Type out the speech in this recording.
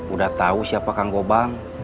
udah tahu siapa kang gobang